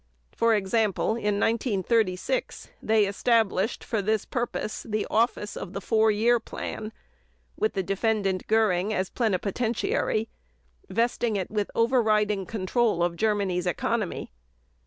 For example, in 1936 they established for this purpose the office of the Four Year Plan with the Defendant GÖRING as Plenipotentiary, vesting it with overriding control over Germany's economy.